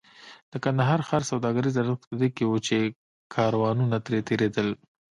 د کندهار ښار سوداګریز ارزښت په دې کې و چې کاروانونه ترې تېرېدل.